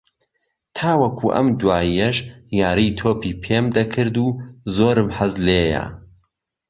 تاوەکو ئەم دواییەش یاری تۆپی پێم دەکرد و زۆرم حەز لێییە